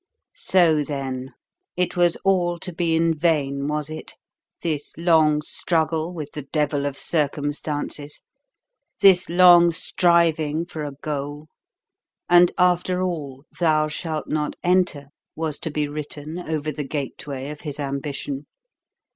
So, then, it was all to be in vain, was it, this long struggle with the Devil of Circumstances, this long striving for a Goal? And after all, "Thou shalt not enter" was to be written over the gateway of his ambition?